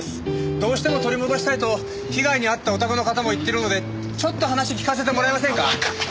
どうしても取り戻したいと被害に遭ったお宅の方も言っているのでちょっと話聞かせてもらえませんか？